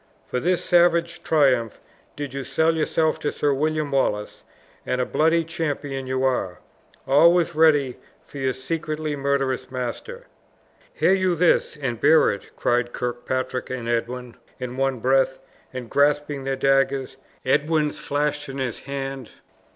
For this savage triumph did you sell yourself to Sir William Wallace; and a bloody champion you are, always ready for your secretly murderous master!" "Hear you this, and bear it?" cried Kirkpatrick and Edwin in one breath, and grasping their daggers, Edwin's flashed in his hand.